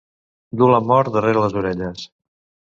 Dur la mort darrere les orelles.